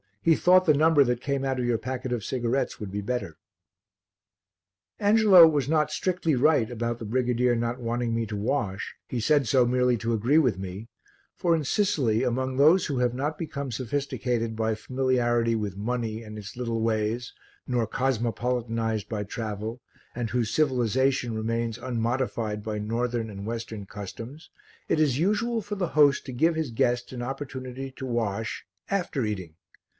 "He thought the number that came out of your packet of cigarettes would be better." Angelo was not strictly right about the brigadier not wanting me to wash, he said so merely to agree with me, for in Sicily, among those who have not become sophisticated by familiarity with money and its little ways nor cosmopolitanized by travel, and whose civilization remains unmodified by northern and western customs, it is usual for the host to give his guest an opportunity to wash after eating.